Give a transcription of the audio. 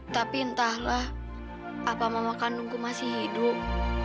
tapi entahlah apa mama kandungku masih hidup